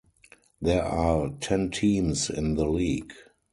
There are ten teams in the league.